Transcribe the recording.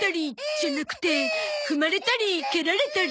じゃなくて踏まれたり蹴られたり。